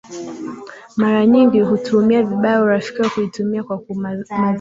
mara nyingi hutumia vibaya urafiki na kuitumia kwa madhumuni